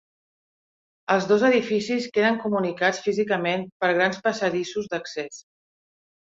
Els dos edificis queden comunicats físicament per grans passadissos d'accés.